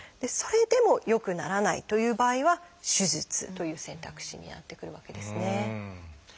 それでも良くならないという場合は「手術」という選択肢になってくるわけですね。